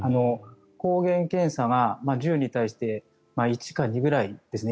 抗原検査が１０に対して１か２ぐらいですね